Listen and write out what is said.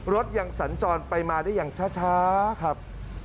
รถยังสัญจรไปมาได้อย่างช้าครับ